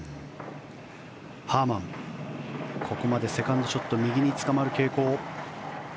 ハーマンここまでセカンドショット右につかまる傾向。